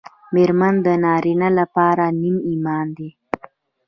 مېرمن د نارینه لپاره نیم ایمان دی